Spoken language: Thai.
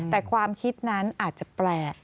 แต่ความคิดนั้นอาจจะแปลก